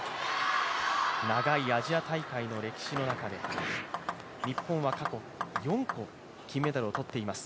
長井アジア大会の歴史の中で、日本は過去４個、金メダルを取っています。